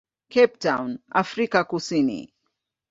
Cape Town, Afrika Kusini.